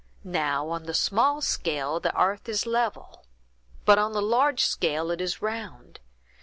Now, on the small scale, the 'arth is level; but on the large scale it is round.